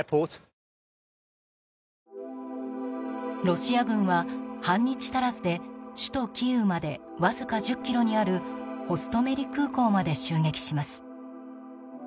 ロシア軍は半日足らずで首都キーウまでわずか１０ｋｍにあるホストメリ空港まで襲撃します。